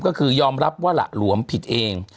ก็คือยอมรับว่าหละหลวมผิดเอง